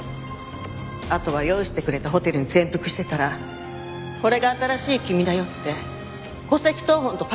あとは用意してくれたホテルに潜伏してたら「これが新しい君だよ」って戸籍謄本とパスポートくれた。